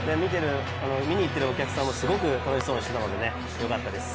見に行っているお客さんもすごくうれしそうにしていたので、良かったです。